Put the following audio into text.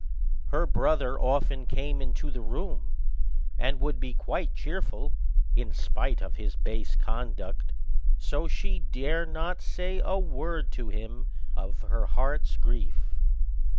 Her brother often came into the room, and would be quite cheerful, in spite of his base conduct; so she dare not say a word to him of her heart's grief.